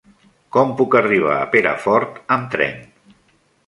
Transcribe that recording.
Com puc arribar a Perafort amb tren?